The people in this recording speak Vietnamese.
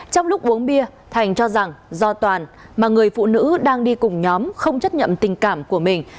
trong lúc uống bia thành cho rằng do toàn mà người phụ nữ đang đi cùng nhóm không chấp nhận tình cảm của mình